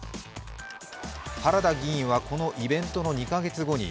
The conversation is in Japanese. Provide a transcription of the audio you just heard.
原田議員はこのイベントの２カ月後に、